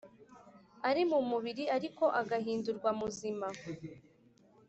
ari mu mubiri ariko agahindurwa muzima